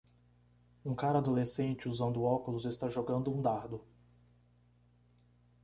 Um cara adolescente usando óculos está jogando um dardo.